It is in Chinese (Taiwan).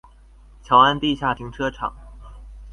僑安地下停車場